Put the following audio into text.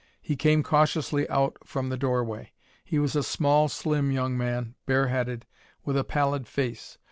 He came cautiously out from the doorway. He was a small, slim young man, bareheaded, with a pallid face.